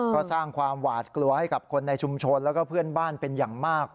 ก็สร้างความหวาดกลัวให้กับคนในชุมชนแล้วก็เพื่อนบ้านเป็นอย่างมาก